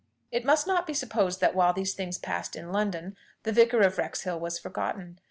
It must not be supposed that while these things passed in London the Vicar of Wrexhill was forgotten.